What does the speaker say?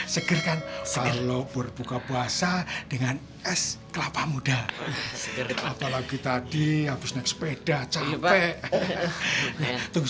seger kan selalu berbuka puasa dengan es kelapa muda apalagi tadi habis naik sepeda capek tunggu